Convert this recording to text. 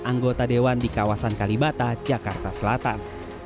anggota dewan di kawasan kalibata jakarta selatan